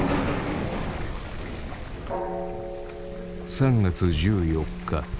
３月１４日